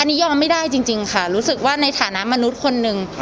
อันนี้ยอมไม่ได้จริงค่ะรู้สึกว่าในฐานะมนุษย์คนหนึ่ง